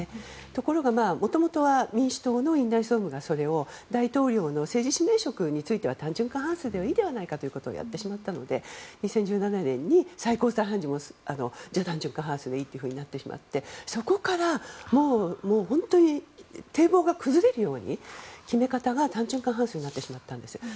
ところが、もともとは民主党の院内総務がそれを大統領の政治指名については単純過半数でいいではないかということをやってしまったので２０１７年に最高裁判事も単純過半数でいいということになってしまってそこから本当に堤防が崩れるように決め方が単純過半数になってしまったんです。